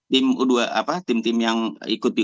tim u dua apa tim tim yang ikut di